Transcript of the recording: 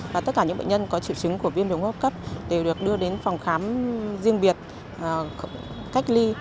và tất cả những bệnh nhân có triệu chứng của viêm đường hô hấp cấp đều được đưa đến phòng khám riêng biệt cách ly